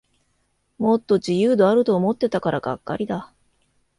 もっと自由度あると思ってたからがっかりだ